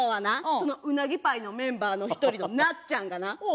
そのうなぎパイのメンバーの１人のナッチャンがな